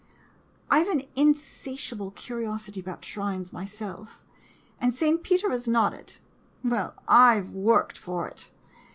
I Ve an insatiable curiosity about shrines, myself — and St. Peter has nodded. Well, I Ve worked for it.